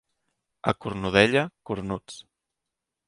A Cornudella, cornuts.